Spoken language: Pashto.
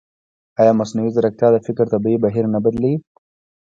ایا مصنوعي ځیرکتیا د فکر طبیعي بهیر نه بدلوي؟